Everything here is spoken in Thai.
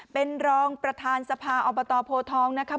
เป็นรองประธานสภาอบตโพทองนะคะ